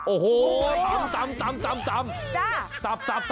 โอ้โฮตำ